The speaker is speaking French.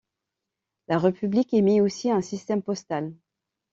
La république émit aussi un système postal.